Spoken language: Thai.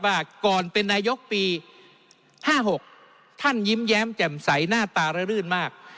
ว่าก่อนเป็นนายกปี๕๖ท่านยิ้มแย้มแจ่มใสหน้าตาระรื่นมาก